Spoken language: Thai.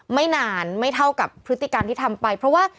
ไม่นานไม่เท่ากับพฤติกรรมที่ทำไปเพราะว่า